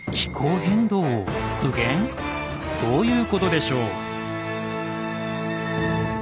どういうことでしょう？